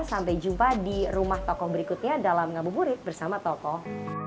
sampai jumpa di rumah tokoh berikutnya dalam ngabuburit bersama tokoh